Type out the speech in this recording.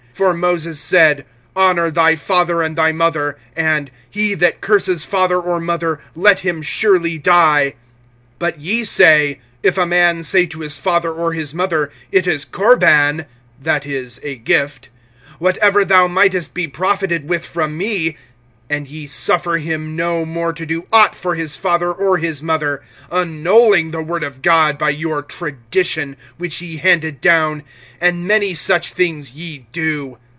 (10)For Moses said: Honor thy father and thy mother; and he that curses father or mother, let him surely die. (11)But ye say: If a man say to his father or his mother, It is Corban (that is, a gift) whatever thou mightest be profited with from me [7:11]; (12)and ye suffer him no more to do aught for his father or his mother, (13)annulling the word of God by your tradition, which ye handed down. And many such things ye do.